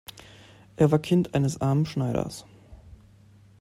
Er war Kind eines armen Schneiders.